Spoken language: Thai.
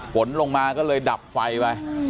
ฝนลงมาก็เลยดับไฟไป